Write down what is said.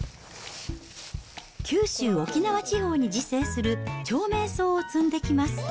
九州、沖縄地方に自生する、長命草を摘んできます。